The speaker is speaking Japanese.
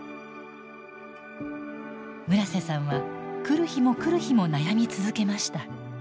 村瀬さんは来る日も来る日も悩み続けました。